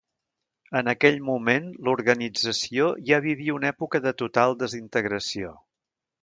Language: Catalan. En aquell moment l'organització ja vivia una època de total desintegració.